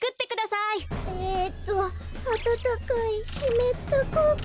えとあたたかいしめったくうき。